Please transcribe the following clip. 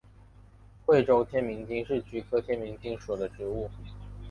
贵州天名精是菊科天名精属的植物。